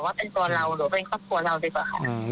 ว่าเป็นตัวเราหรือว่าเป็นครอบครัวเราดีกว่าค่ะ